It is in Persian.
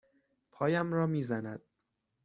پایم را می زند.